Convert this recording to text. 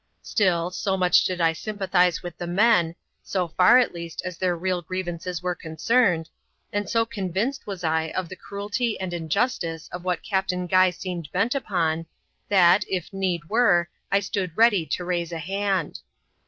Still, so much did I S3rmpathise with the men, — so far, at least, as their real grievances were concerned, —. and so convinced was I of the cruelty and injustice of what Captain Guy seemed bent upon, that, if need were, I stood ready to raise a hand.